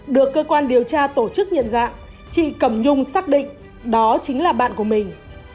được cơ quan điều tra tổ chức nhận dạng chị cẩm nhung xác định đó chính là bạn của mình